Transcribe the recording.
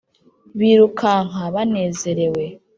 birukanka banezerewe